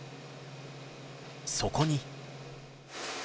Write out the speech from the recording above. そこに。